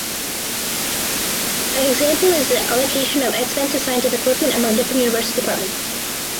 An example is the allocation of expensive scientific equipment among different university departments.